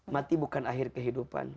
mati bukan akhir kehidupan